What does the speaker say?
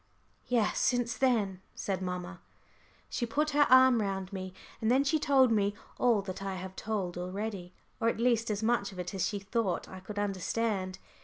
"Yes, since then," said mamma. She put her arm round me, and then she told me all that I have told already, or at least as much of it as she thought I could understand.